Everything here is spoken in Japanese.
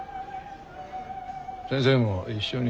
先生も一緒に。